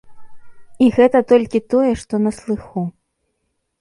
І гэта толькі тое, што на слыху.